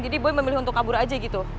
jadi boy memilih untuk kabur aja gitu